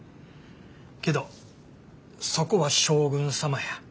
けどそこは将軍様や。